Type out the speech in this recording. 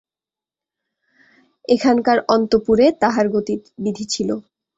এখানকার অন্তঃপুরে তাহার গতিবিধি ছিল।